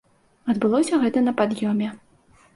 Адбылося гэта на пад'ёме.